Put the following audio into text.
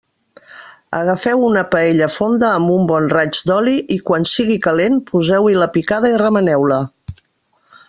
Agafeu una paella fonda amb un bon raig d'oli i, quan sigui calent, poseu-hi la picada i remeneu-la.